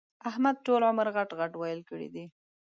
احمد ټول عمر غټ ِغټ ويل کړي دي.